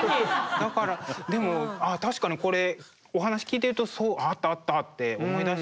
でも確かにこれお話聞いてるとあったあったって思い出しました。